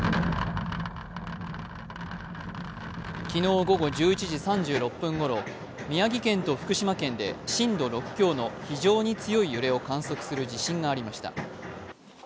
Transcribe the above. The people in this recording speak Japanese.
昨日午後１１時３６分頃、宮城県と福島県で震度６強の非常に強い揺れを観測する地震がありました。